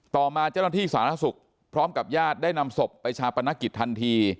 ต่อมาเจ้าหน้าที่สาธารณสุขพร้อมกับญาติได้นำศพไปชาปนกิจทันที